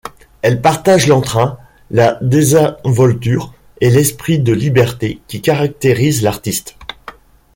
Elle partage l'entrain, la désinvolture et l'esprit de liberté qui caractérise l'artiste.